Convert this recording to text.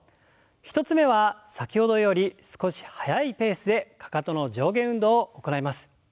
１つ目は先ほどより少し速いペースでかかとの上下運動を行います。